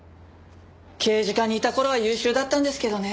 刑事課にいた頃は優秀だったんですけどね。